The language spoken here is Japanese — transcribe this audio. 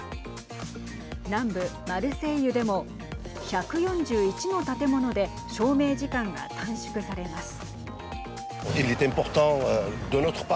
南部マルセイユでも１４１の建物で照明時間が短縮されます。